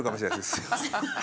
すいません。